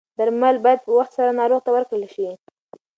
درمل باید په وخت سره ناروغ ته ورکړل شي.